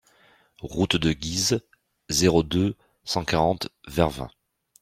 Route de Guise, zéro deux, cent quarante Vervins